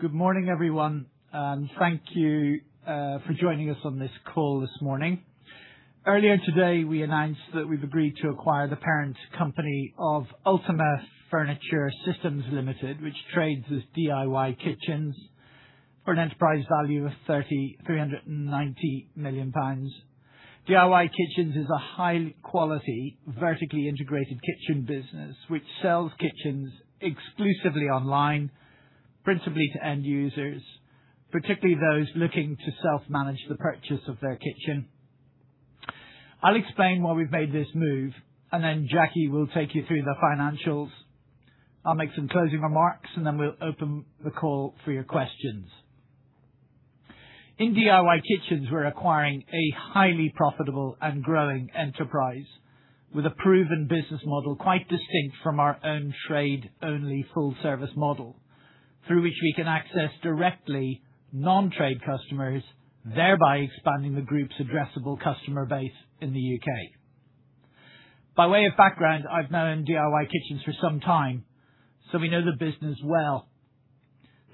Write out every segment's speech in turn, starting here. Good morning, everyone. Thank you for joining us on this call this morning. Earlier today, we announced that we've agreed to acquire the parent company of Ultima Furniture Systems Limited, which trades as DIY Kitchens, for an enterprise value of 390 million pounds. DIY Kitchens is a high-quality, vertically integrated kitchen business which sells kitchens exclusively online, principally to end users, particularly those looking to self-manage the purchase of their kitchen. I'll explain why we've made this move, and then Jackie will take you through the financials. I'll make some closing remarks, and then we'll open the call for your questions. In DIY Kitchens, we're acquiring a highly profitable and growing enterprise with a proven business model quite distinct from our own trade-only full-service model, through which we can access directly non-trade customers, thereby expanding the Group's addressable customer base in the U.K. By way of background, I've known DIY Kitchens for some time, so we know the business well.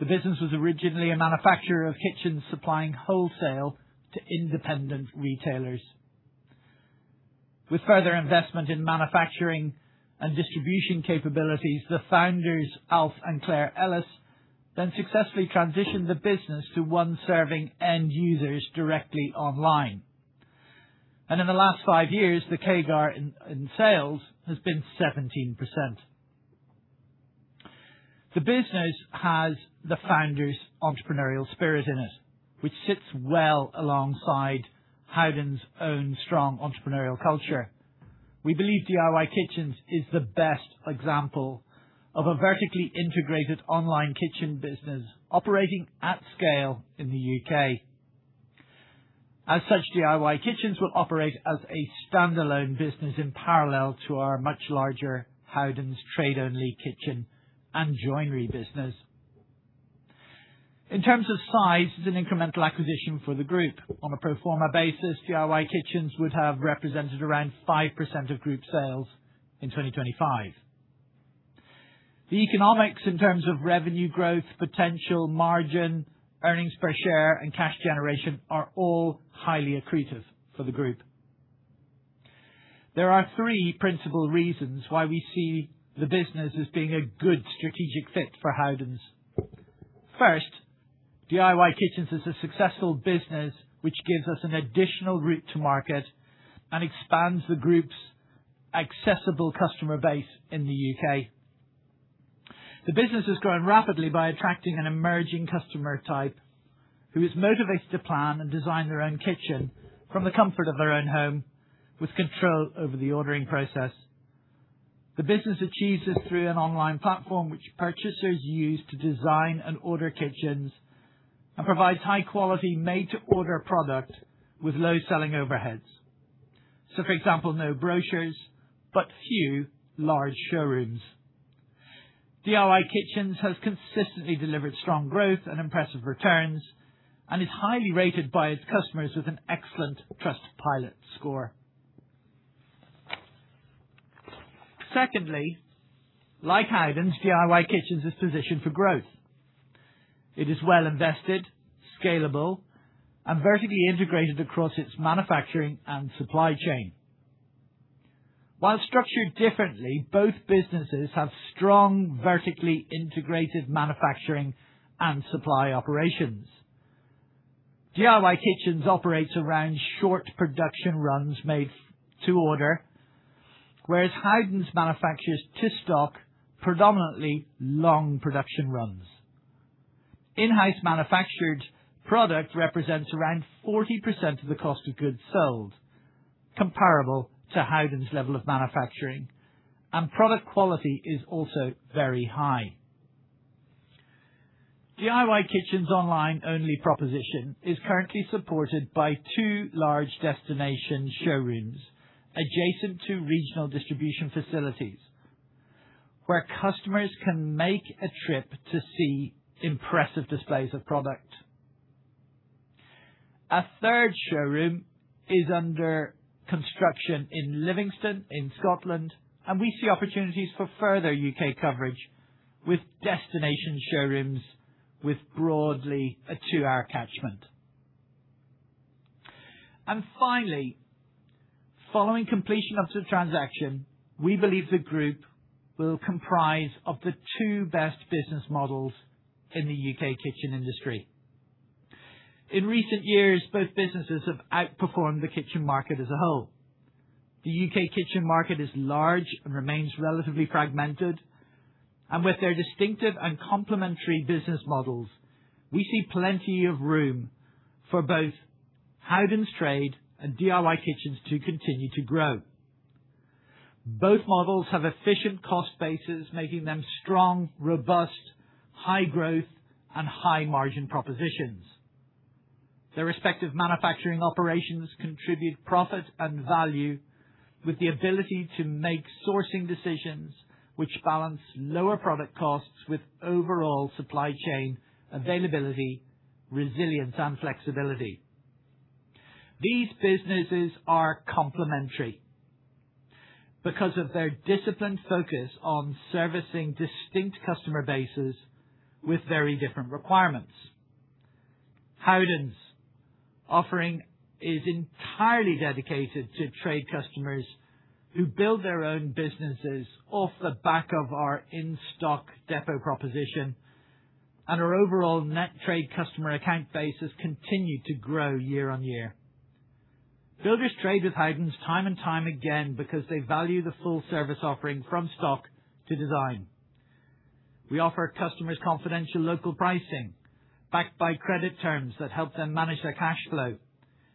The business was originally a manufacturer of kitchens supplying wholesale to independent retailers. With further investment in manufacturing and distribution capabilities, the founders, Alf and Clare Ellis, then successfully transitioned the business to one serving end users directly online. In the last five years, the CAGR in sales has been 17%. The business has the founders' entrepreneurial spirit in it, which sits well alongside Howdens' own strong entrepreneurial culture. We believe DIY Kitchens is the best example of a vertically integrated online kitchen business operating at scale in the U.K. As such, DIY Kitchens will operate as a standalone business in parallel to our much larger Howdens trade-only kitchen and joinery business. In terms of size, it's an incremental acquisition for the group. On a pro forma basis, DIY Kitchens would have represented around 5% of group sales in 2025. The economics in terms of revenue growth, potential margin, earnings per share and cash generation are all highly accretive for the group. There are three principal reasons why we see the business as being a good strategic fit for Howdens. First, DIY Kitchens is a successful business which gives us an additional route to market and expands the group's accessible customer base in the U.K. The business has grown rapidly by attracting an emerging customer type who is motivated to plan and design their own kitchen from the comfort of their own home, with control over the ordering process. The business achieves this through an online platform which purchasers use to design and order kitchens and provides high-quality made-to-order product with low selling overheads. For example, no brochures, but few large showrooms. DIY Kitchens has consistently delivered strong growth and impressive returns and is highly rated by its customers with an excellent TrustScore. Secondly, like Howdens, DIY Kitchens is positioned for growth. It is well invested, scalable, and vertically integrated across its manufacturing and supply chain. While structured differently, both businesses have strong vertically integrated manufacturing and supply operations. DIY Kitchens operates around short production runs made-to-order, whereas Howdens manufactures to stock, predominantly long production runs. In-house manufactured product represents around 40% of the cost of goods sold, comparable to Howdens' level of manufacturing, and product quality is also very high. DIY Kitchens' online-only proposition is currently supported by two large destination showrooms adjacent to regional distribution facilities, where customers can make a trip to see impressive displays of product. A third showroom is under construction in Livingston, in Scotland, and we see opportunities for further U.K. coverage with destination showrooms with broadly a two-hour catchment. Finally, following completion of the transaction, we believe the group will comprise of the two best business models in the U.K. kitchen industry. In recent years, both businesses have outperformed the kitchen market as a whole. The U.K. kitchen market is large and remains relatively fragmented, and with their distinctive and complementary business models, we see plenty of room for both Howdens trade-only and DIY Kitchens to continue to grow. Both models have efficient cost bases, making them strong, robust, high-growth, and high-margin propositions. Their respective manufacturing operations contribute profit and value with the ability to make sourcing decisions which balance lower product costs with overall supply chain availability, resilience, and flexibility. These businesses are complementary because of their disciplined focus on servicing distinct customer bases with very different requirements. Howdens' offering is entirely dedicated to trade customers who build their own businesses off the back of our in-stock depot proposition, and our overall net trade customer account base has continued to grow year-on-year. Builders trade with Howdens time and time again because they value the full-service offering from stock to design. We offer customers confidential local pricing backed by credit terms that help them manage their cash flow,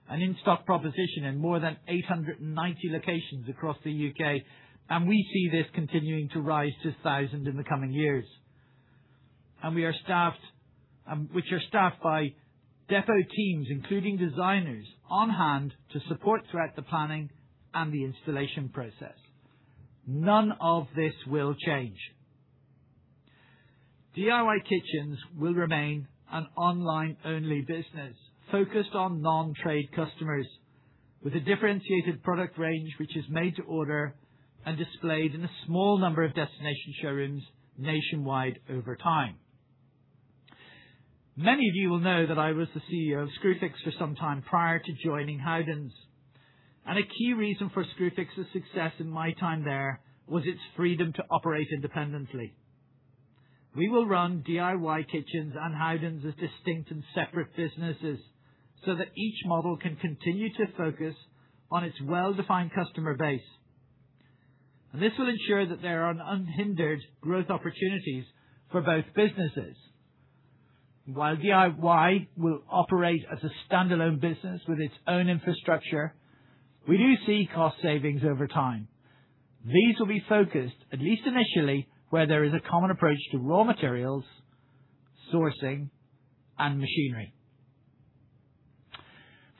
an in-stock proposition in more than 890 locations across the U.K., and we see this continuing to rise in size in the coming years, which are staffed by depot teams, including designers, on hand to support throughout the planning and the installation process. None of this will change. DIY Kitchens will remain an online-only business focused on non-trade customers with a differentiated product range, which is made-to-order and displayed in a small number of destination showrooms nationwide over time. Many of you will know that I was the CEO of Screwfix for some time prior to joining Howdens. A key reason for Screwfix's success in my time there was its freedom to operate independently. We will run DIY Kitchens and Howdens as distinct and separate businesses so that each model can continue to focus on its well-defined customer base. This will ensure that there are unhindered growth opportunities for both businesses. While DIY will operate as a standalone business with its own infrastructure, we do see cost savings over time. These will be focused, at least initially, where there is a common approach to raw materials, sourcing, and machinery.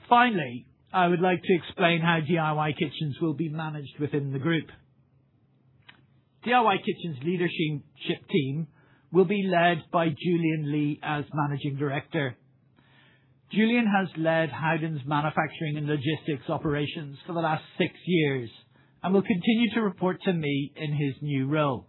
Finally, I would like to explain how DIY Kitchens will be managed within the group. DIY Kitchens leadership team will be led by Julian Lee as Managing Director. Julian has led Howdens manufacturing and logistics operations for the last six years and will continue to report to me in his new role.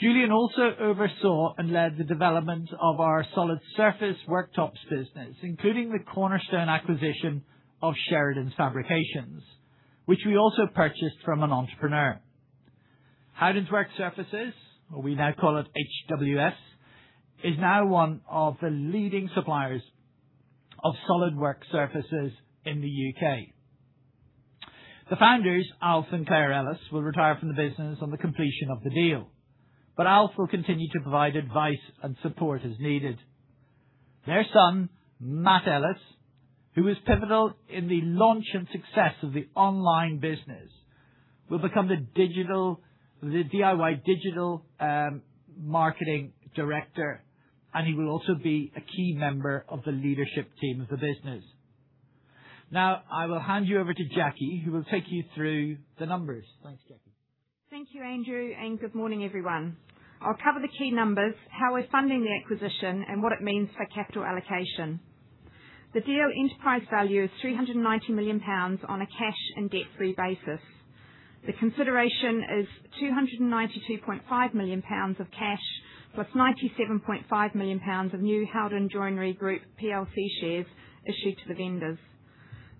Julian also oversaw and led the development of our solid surface worktops business, including the cornerstone acquisition of Sheridan Fabrications, which we also purchased from an entrepreneur. Howdens Work Surfaces, or we now call it HWS, is now one of the leading suppliers of solid work surfaces in the U.K. The founders, Alf and Clare Ellis, will retire from the business on the completion of the deal, but Alf will continue to provide advice and support as needed. Their son, Matt Ellis, who was pivotal in the launch and success of the online business, will become the DIY Digital Marketing Director, and he will also be a key member of the leadership team of the business. Now, I will hand you over to Jackie, who will take you through the numbers. Thanks, Jackie. Thank you, Andrew. Good morning, everyone. I'll cover the key numbers, how we're funding the acquisition, and what it means for capital allocation. The deal enterprise value is GBP 390 million on a cash and debt-free basis. The consideration is GBP 292.5 million of cash, +GBP 97.5 million of new Howden Joinery Group Plc shares issued to the vendors.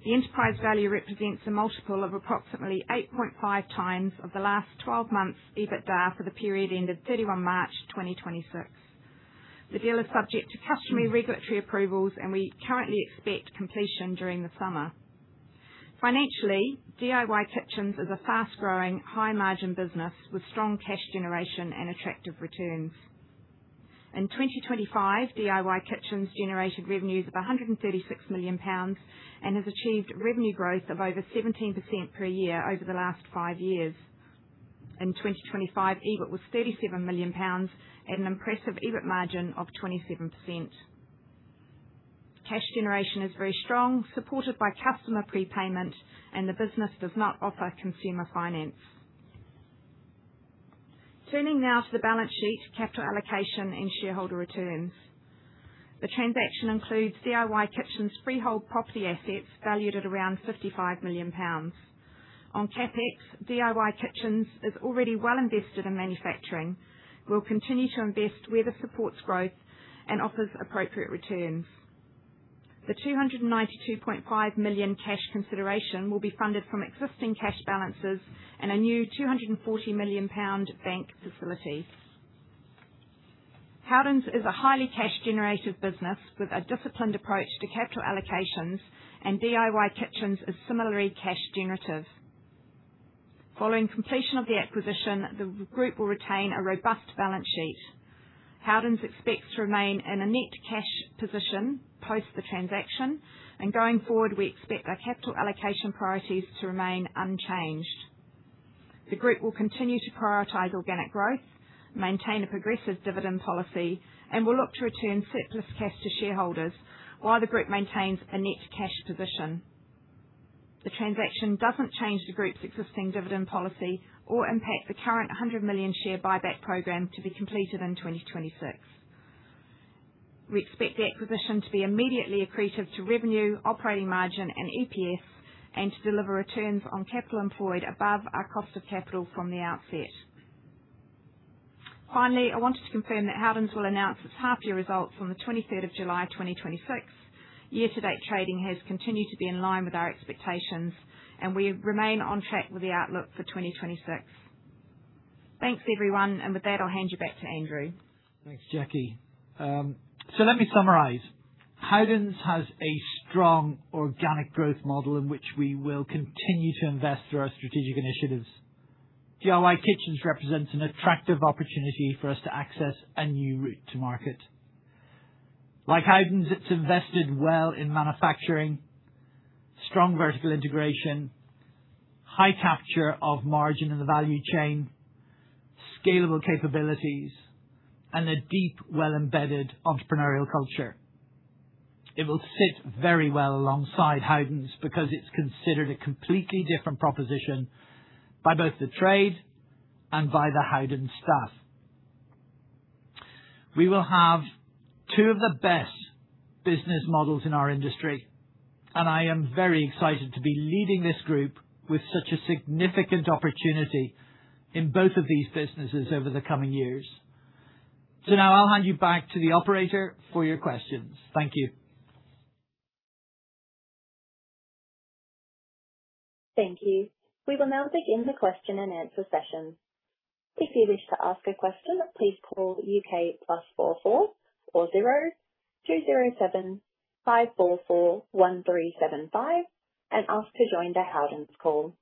The enterprise value represents a multiple of approximately 8.5x of the last 12 months' EBITDA for the period ended 31 March 2026. The deal is subject to customary regulatory approvals. We currently expect completion during the summer. Financially, DIY Kitchens is a fast-growing, high-margin business with strong cash generation and attractive returns. In 2025, DIY Kitchens generated revenues of 136 million pounds and has achieved revenue growth of over 17% per year over the last five years. In 2025, EBIT was 37 million pounds at an impressive EBIT margin of 27%. Cash generation is very strong, supported by customer prepayment, and the business does not offer consumer finance. Turning now to the balance sheet, capital allocation, and shareholder returns. The transaction includes DIY Kitchens' freehold property assets valued at around 55 million pounds. On CapEx, DIY Kitchens is already well invested in manufacturing. We will continue to invest where this supports growth and offers appropriate returns. The 292.5 million cash consideration will be funded from existing cash balances and a new 240 million pound bank facility. Howdens is a highly cash generative business with a disciplined approach to capital allocations, and DIY Kitchens is similarly cash generative. Following completion of the acquisition, the group will retain a robust balance sheet. Howdens expects to remain in a net cash position post the transaction, and going forward, we expect our capital allocation priorities to remain unchanged. The group will continue to prioritize organic growth, maintain a progressive dividend policy, and will look to return surplus cash to shareholders while the group maintains a net cash position. The transaction doesn't change the group's existing dividend policy or impact the current 100 million share buyback program to be completed in 2026. We expect the acquisition to be immediately accretive to revenue, operating margin, and EPS, and to deliver returns on capital employed above our cost of capital from the outset. Finally, I wanted to confirm that Howdens will announce its half-year results on the 23rd of July 2026. Year-to-date trading has continued to be in line with our expectations, and we remain on track with the outlook for 2026. Thanks, everyone. With that, I'll hand you back to Andrew. Thanks, Jackie. Let me summarize. Howdens has a strong organic growth model in which we will continue to invest through our strategic initiatives. DIY Kitchens represents an attractive opportunity for us to access a new route to market. Like Howdens, it's invested well in manufacturing, strong vertical integration, high capture of margin in the value chain, scalable capabilities, and a deep, well-embedded entrepreneurial culture. It will sit very well alongside Howdens because it's considered a completely different proposition by both the trade and by the Howdens staff. We will have two of the best business models in our industry, and I am very excited to be leading this group with such a significant opportunity in both of these businesses over the coming years. Now I'll hand you back to the operator for your questions. Thank you. Thank you. We will now begin the question and answer session. If you wish to ask a question, please call U.K. +44 (0)20 7544 1375 and ask to join the Howdens call.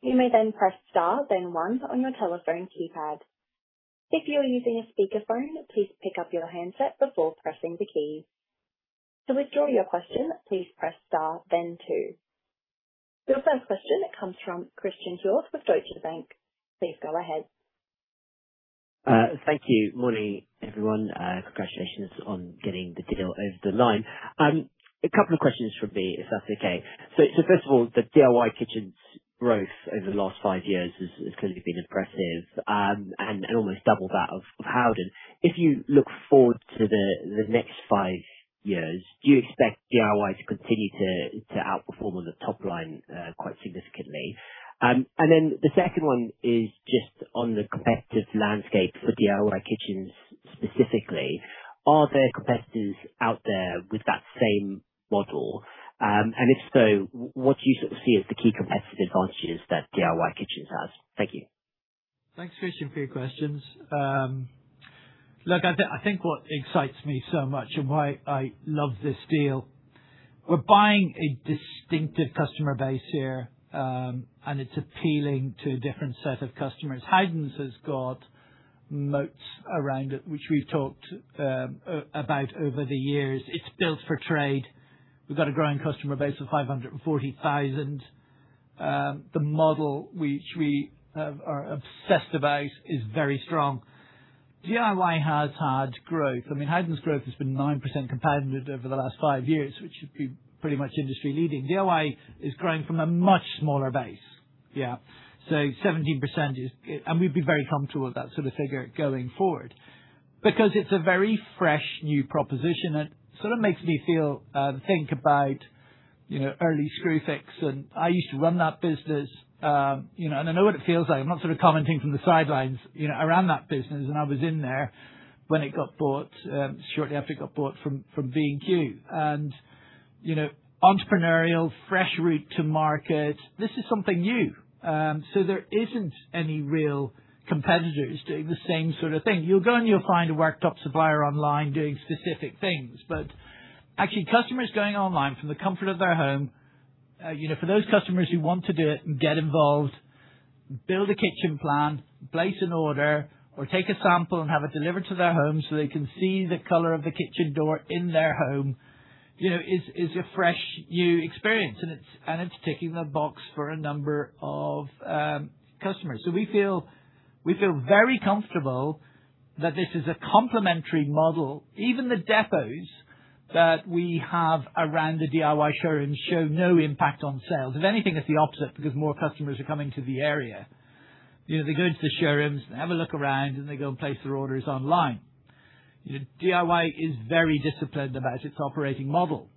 You may then press star, then one on your telephone keypad. If you are using a speakerphone, please pick up your handset before pressing the key. To withdraw your question, please press star then two. Your first question comes from Christen Hjorth with Deutsche Bank. Please go ahead. Thank you. Morning, everyone. Congratulations on getting the deal over the line. A couple of questions from me, if that's okay. First of all, the DIY Kitchens growth over the last five years has clearly been impressive, and almost double that of Howden. If you look forward to the next five years, do you expect DIY to continue to outperform on the top line quite significantly? The second one is just on the competitive landscape for DIY Kitchens specifically. Are there competitors out there with that same model? If so, what do you sort of see as the key competitive advantages that DIY Kitchens has? Thank you. Thanks, Christen, for your questions. Look, I think what excites me so much and why I love this deal, we're buying a distinctive customer base here, and it's appealing to a different set of customers. Howdens has got moats around it, which we've talked about over the years. It's built for trade. We've got a growing customer base of 540,000. The model which we are obsessed about is very strong. DIY has had growth. I mean, Howdens growth has been 9% compounded over the last five years, which would be pretty much industry leading. DIY is growing from a much smaller base, yeah. 17% and we'd be very comfortable with that sort of figure going forward because it's a very fresh new proposition that sort of makes me feel, think about early Screwfix, and I used to run that business, and I know what it feels like. I'm not sort of commenting from the sidelines. I ran that business, and I was in there when it got bought, shortly after it got bought from B&Q. Entrepreneurial, fresh route to market, this is something new. There isn't any real competitors doing the same sort of thing. You'll go and you'll find a worktop supplier online doing specific things, but actually customers going online from the comfort of their home, for those customers who want to do it and get involved, build a kitchen plan, place an order, or take a sample and have it delivered to their home so they can see the color of the kitchen door in their home, is a fresh new experience. It's ticking a box for a number of customers. We feel very comfortable that this is a complementary model. Even the depots that we have around the DIY showrooms show no impact on sales. If anything, it's the opposite because more customers are coming to the area. They go into the showrooms, have a look around, and they go and place their orders online. DIY is very disciplined about its operating model.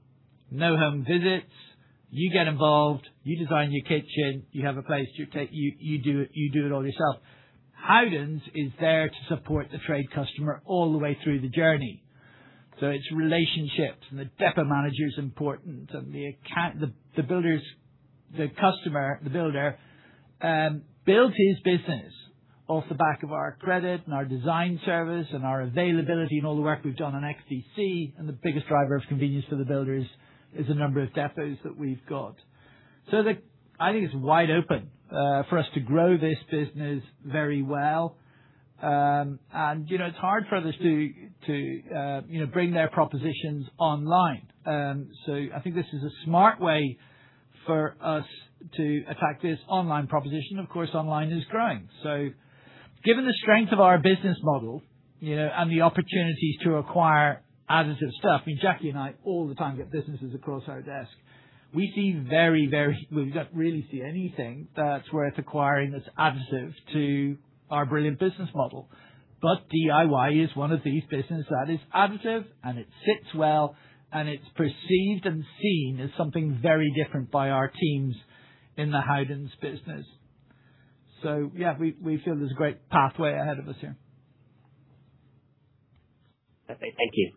No home visits. You get involved, you design your kitchen, you do it all yourself. Howdens is there to support the trade customer all the way through the journey. It's relationships, and the depot manager is important, and the account, the builders, the customer, the builder builds his business off the back of our credit, and our design service, and our availability, and all the work we've done on XDC. The biggest driver of convenience for the builders is the number of depots that we've got. I think it's wide open for us to grow this business very well. It's hard for others to bring their propositions online. I think this is a smart way for us to attack this online proposition. Of course, online is growing. Given the strength of our business model and the opportunities to acquire additive stuff, I mean, Jackie and I all the time get businesses across our desk. We don't really see anything that's worth acquiring that's additive to our brilliant business model. DIY is one of these businesses that is additive, and it sits well, and it's perceived and seen as something very different by our teams in the Howdens business. Yeah, we feel there's a great pathway ahead of us here. Perfect. Thank you.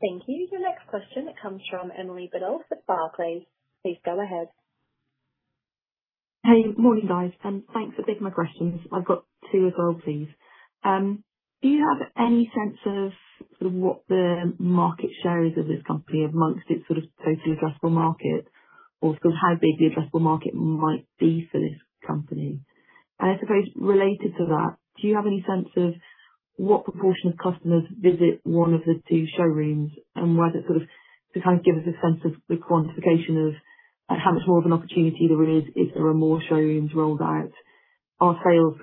Thank you. The next question comes from Emily Biddulph at Barclays. Please go ahead. Hey. Morning, guys. Thanks for taking my questions. I've got two to go, please. Do you have any sense of what the market share is of this company amongst its total addressable market? How big the addressable market might be for this company? I suppose related to that, do you have any sense of what proportion of customers visit one of the two showrooms, and whether to give us a sense of the quantification of how much more of an opportunity there is if there are more showrooms rolled out? Are sales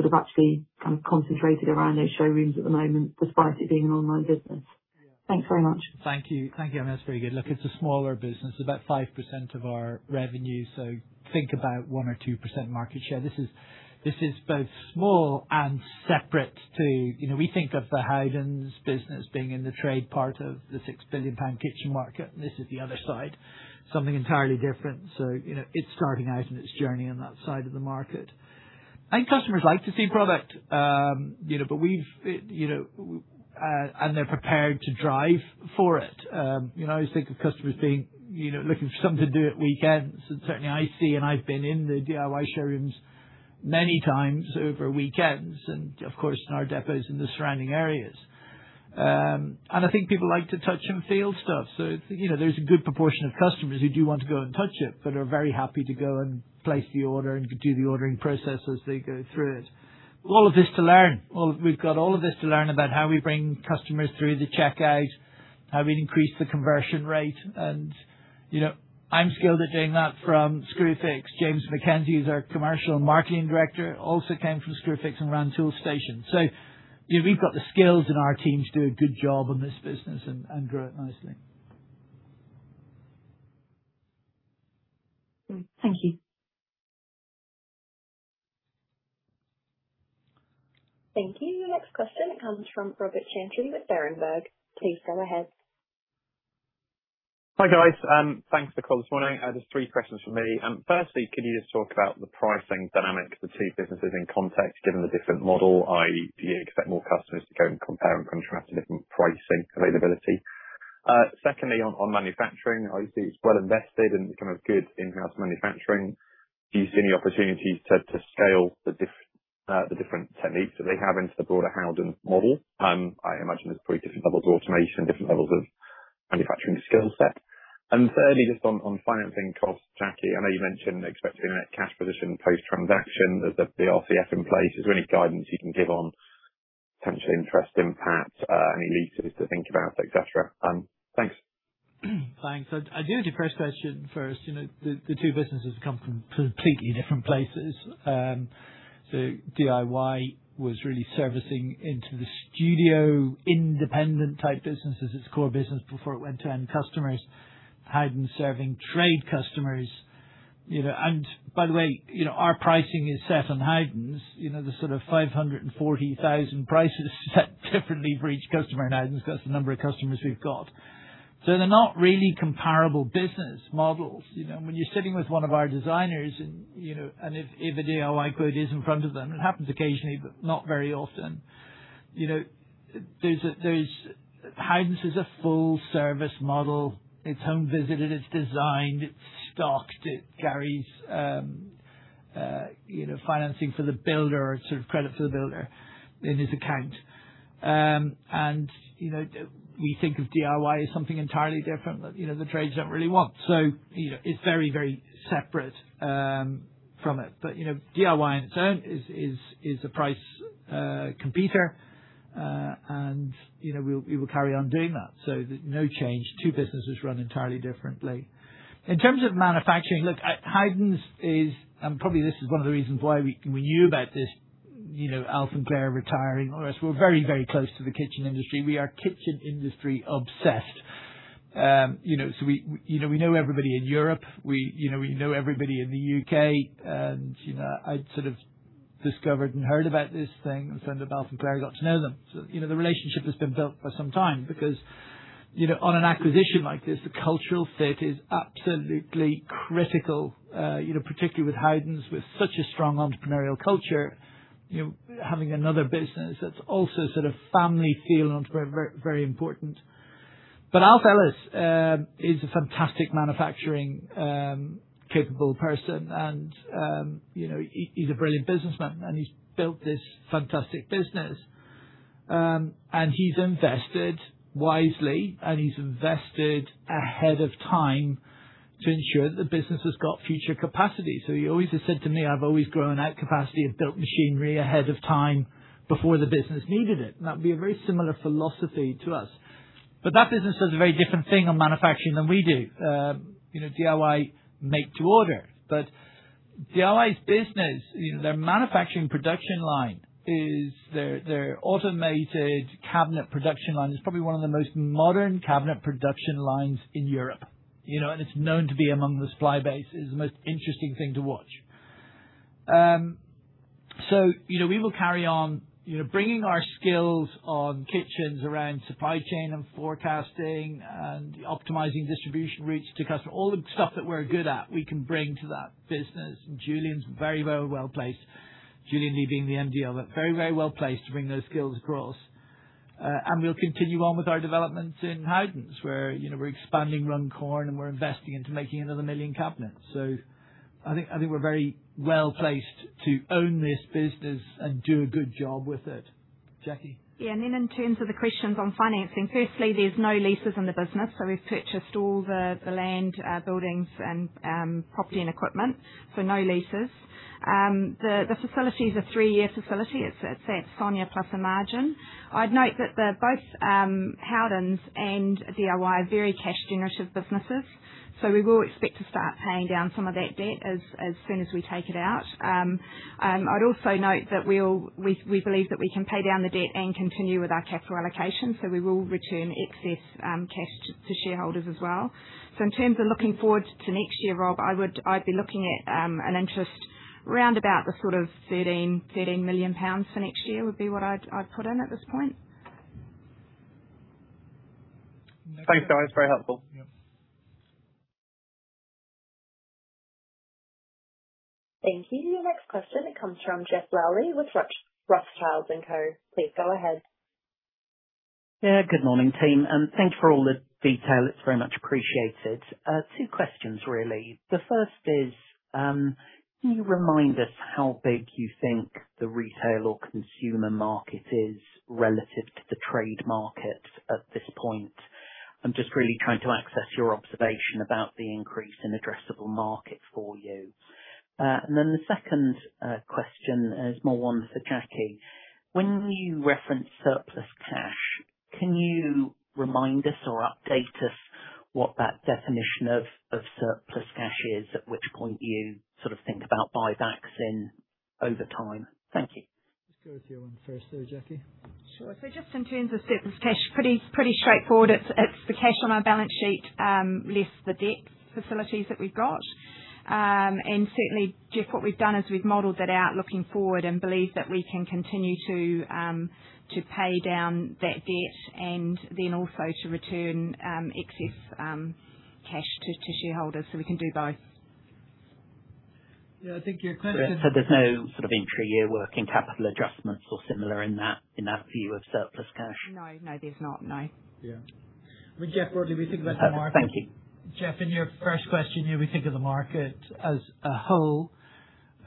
concentrated around those showrooms at the moment, despite it being an online business? Thanks very much. Thank you. Thank you, Emily. That's very good. It's a smaller business. It's about 5% of our revenue, so think about 1% or 2% market share. This is both small and separate. We think of the Howdens business being in the trade part of the 6 billion pound kitchen market. This is the other side, something entirely different. It's starting out in its journey on that side of the market. I think customers like to see product, and they're prepared to drive for it. I always think of customers being looking for something to do at weekends, and certainly I see, and I've been in the DIY showrooms many times over weekends, and of course in our depots in the surrounding areas. I think people like to touch and feel stuff. There's a good proportion of customers who do want to go and touch it, but are very happy to go and place the order and do the ordering process as they go through it. All of this to learn. We've got all of this to learn about how we bring customers through the checkout, how we increase the conversion rate, and I'm skilled at doing that from Screwfix. James Mackenzie is our Commercial and Marketing Director, also came from Screwfix and ran Toolstation. We've got the skills in our team to do a good job on this business and grow it nicely. Thank you. Thank you. The next question comes from Robert Chantry with Berenberg. Please go ahead. Hi, guys. Thanks for the call this morning. Just three questions from me. Firstly, could you just talk about the pricing dynamics of the two businesses in context, given the difference model i.e., do you expect more customers to go and compare and contrast different pricing availability? Secondly, on manufacturing, obviously it's well invested and kind of good in-house manufacturing. Do you see any opportunities to scale the different techniques that they have into the broader Howdens model? I imagine there's probably different levels of automation, different levels of manufacturing skill set. Thirdly, just on financing costs, Jackie, I know you mentioned expecting a net cash position post-transaction as the RCF in place. Is there any guidance you can give on potential interest impacts, any leases to think about, et cetera? Thanks. Thanks. I'll deal with your first question first. The two businesses come from completely different places. DIY was really servicing into the studio independent type business as its core business before it went to end customers. Howdens serving trade customers. By the way, our pricing is set on Howdens. The sort of 540,000 prices set differently for each customer now, and that's the number of customers we've got. They're not really comparable business models. When you're sitting with one of our designers, and if a DIY quote is in front of them, it happens occasionally, but not very often. Howdens is a full-service model. It's home visited, it's designed, it's stocked, it carries financing for the builder or sort of credit for the builder in his account. We think of DIY as something entirely different that the trades don't really want. It's very, very separate from it. DIY on its own is a price competitor, and we will carry on doing that. There's no change. Two businesses run entirely differently. In terms of manufacturing, look, Howdens is, and probably this is one of the reasons why we knew about this. Alf and Clare are retiring. We're very, very close to the kitchen industry. We are kitchen industry-obsessed. We know everybody in Europe. We know everybody in the U.K., and I sort of discovered and heard about this thing, and so did Alf and Clare got to know them. The relationship has been built for some time because on an acquisition like this, the cultural fit is absolutely critical. Particularly with Howdens, with such a strong entrepreneurial culture, having another business that's also sort of family feel entrepreneur, very important. Alf Ellis is a fantastic manufacturing capable person, and he's a brilliant businessman, and he's built this fantastic business. He's invested wisely, and he's invested ahead of time to ensure that the business has got future capacity. He always has said to me, "I've always grown out capacity and built machinery ahead of time before the business needed it." That would be a very similar philosophy to us. That business does a very different thing on manufacturing than we do. DIY made-to-order, but DIY's business, their manufacturing production line, their automated cabinet production line, is probably one of the most modern cabinet production lines in Europe. It's known to be among the supply base as the most interesting thing to watch. We will carry on bringing our skills on kitchens around supply chain, and forecasting, and optimizing distribution routes to customers. All the stuff that we're good at, we can bring to that business. Julian's very well-placed. Julian Lee being the MD of it. Very well-placed to bring those skills across. We'll continue on with our developments in Howdens, where we're expanding Runcorn, and we're investing into making another million cabinets. I think we're very well-placed to own this business and do a good job with it. Jackie? Yeah. Then in terms of the questions on financing. Firstly, there's no leases in the business. We've purchased all the land, buildings, and property, and equipment. No leases. The facility is a three-year facility. It's at SONIA plus a margin. I'd note that both Howdens and DIY are very cash-generative businesses. We will expect to start paying down some of that debt as soon as we take it out. I'd also note that we believe that we can pay down the debt and continue with our capital allocation, so we will return excess cash to shareholders as well. In terms of looking forward to next year, Rob, I'd be looking at an interest around about the sort of 13 million pounds for next year, would be what I'd put in at this point. Thanks, guys. Very helpful. Yeah. Thank you. Your next question comes from Geoff Lowery with Rothschild & Co. Please go ahead. Good morning, team. Thank you for all the detail. It's very much appreciated. Two questions, really. The first is, can you remind us how big you think the retail or consumer market is relative to the trade market at this point? I'm just really trying to access your observation about the increase in addressable market for you. The second question is more one for Jackie. When you reference surplus cash, can you remind us or update us what that definition of surplus cash is, at which point you sort of think about buybacks in over time? Thank you. Let's go with your one first there, Jackie. Sure. Just in terms of surplus cash, pretty straightforward. It's the cash on our balance sheet, less the debt facilities that we've got. Certainly, Geoff, what we've done is we've modeled it out looking forward and believe that we can continue to pay down that debt and then also to return excess cash to shareholders. We can do both. Yeah. I think your question. There's no sort of intra-year working capital adjustments or similar in that view of surplus cash? No. There's not, no. Yeah. I mean, Geoff, broadly, we think about the market. Perfect. Thank you. Geoff, in your first question, yeah, we think of the market as a whole.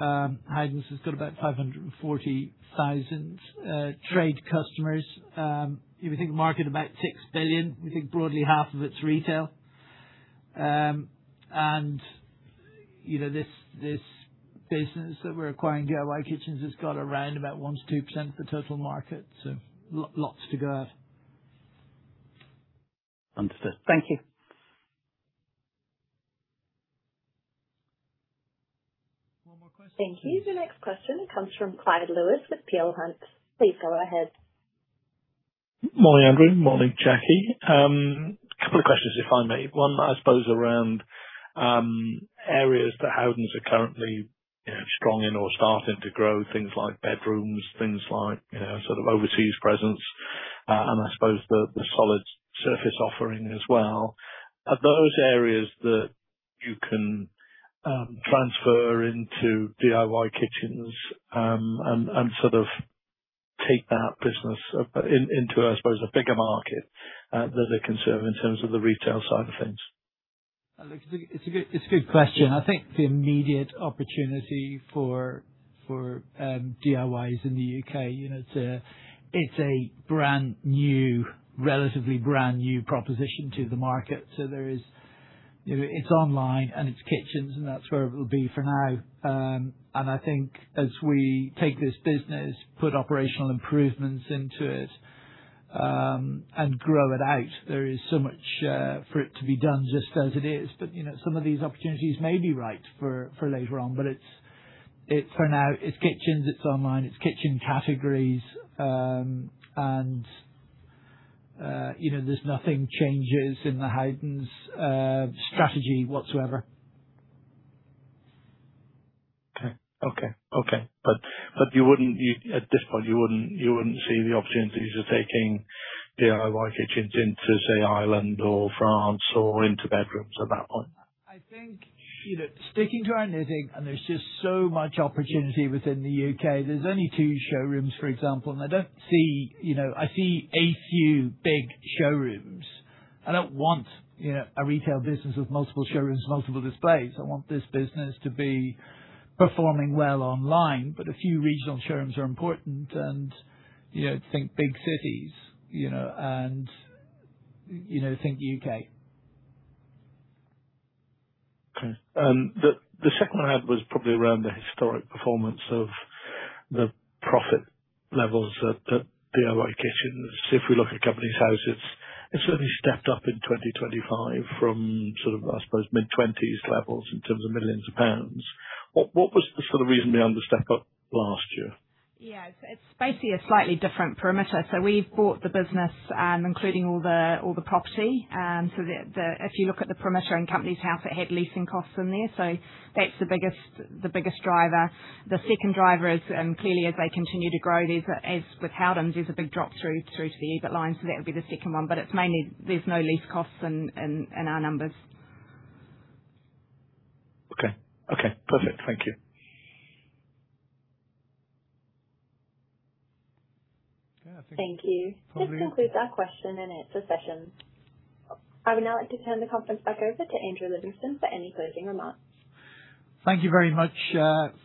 Howdens has got about 540,000 trade customers. We think the market about 6 billion. We think broadly half of it's retail. This business that we're acquiring, DIY Kitchens, has got around about 1%-2% the total market, so lots to go at. Understood. Thank you. One more question, please. Thank you. The next question comes from Clyde Lewis with Peel Hunt. Please go ahead. Morning, Andrew. Morning, Jackie. Couple of questions, if I may. One, I suppose, around areas that Howdens are currently strong in or starting to grow. Things like bedrooms, things like sort of overseas presence, and I suppose the solid surface offering as well. Are those areas that you can transfer into DIY Kitchens, and sort of take that business into, I suppose, a bigger market that they can serve in terms of the retail side of things? It's a good question. I think the immediate opportunity for DIYs in the U.K. it's a relatively brand-new proposition to the market. It's online, and it's kitchens, and that's where it'll be for now. I think as we take this business, put operational improvements into it, and grow it out, there is so much for it to be done just as it is. Some of these opportunities may be right for later on. For now, it's kitchens, it's online, it's kitchen categories. There's nothing changes in the Howdens strategy whatsoever. Okay. At this point, you wouldn't see the opportunities of taking DIY Kitchens into, say, Ireland or France, or into bedrooms at that point? I think sticking to our knitting, and there's just so much opportunity within the U.K. There's only two showrooms, for example, and I see a few big showrooms. I don't want a retail business with multiple showrooms, multiple displays. I want this business to be performing well online. A few regional showrooms are important, and think big cities and think U.K. Okay. The second one I had was probably around the historic performance of the profit levels at DIY Kitchens. If we look at Companies House, it certainly stepped up in 2025 from sort of, I suppose, mid-GBP 20 million levels in terms of millions of pounds. What was the sort of reason behind the step-up last year? Yeah. It's basically a slightly different perimeter. We've bought the business, including all the property. If you look at the perimeter and Companies House, it had leasing costs in there. That's the biggest driver. The second driver is, clearly, as they continue to grow, as with Howdens, there's a big drop through to the EBIT line. That would be the second one. It's mainly there's no lease costs in our numbers. Okay. Perfect. Thank you. Yeah, thanks, probably. Thank you. This concludes our question and answer session. I would now like to turn the conference back over to Andrew Livingston for any closing remarks. Thank you very much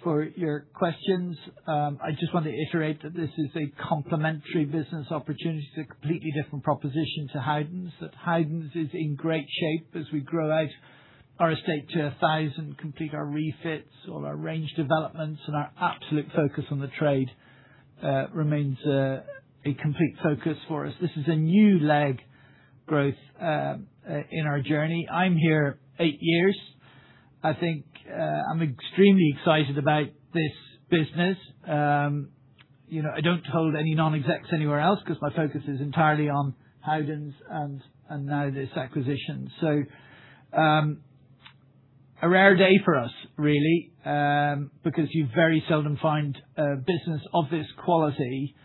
for your questions. I just want to iterate that this is a complementary business opportunity. It's a completely different proposition to Howdens. That Howdens is in great shape as we grow out our estate to 1,000, complete our refits, all our range developments, and our absolute focus on the trade remains a complete focus for us. This is a new leg growth in our journey. I'm here eight years. I think I'm extremely excited about this business. I don't hold any non-execs anywhere else because my focus is entirely on Howdens and now this acquisition. A rare day for us, really, because you very seldom find a business of this quality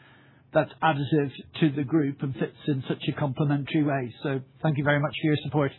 that's additive to the group and fits in such a complementary way. Thank you very much for your support.